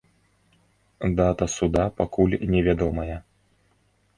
Дата суда пакуль невядомая.